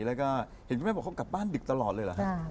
แล้วก็เห็นคุณแม่บอกเขากลับบ้านดึกตลอดเลยเหรอฮะ